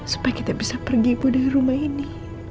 supaya kita bisa pergi ibu dari rumah ini